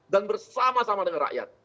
dan bersama sama dengan rakyat